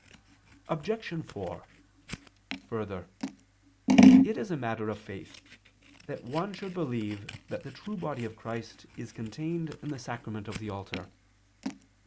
Obj. 4: Further, it is a matter of faith, that one should believe that the true Body of Christ is contained in the Sacrament of the altar.